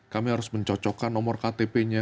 kami harus mencocokkan nomor ktp nya